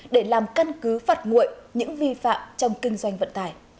để làm căn cứ phạt nguội những vi phạm trong kinh doanh vận tải